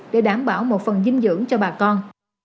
để đảm bảo một phần dinh dưỡng cho bà con